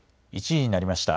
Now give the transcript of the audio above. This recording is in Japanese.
１時になりました。